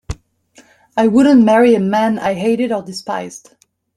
I wouldn't marry a man I hated or despised.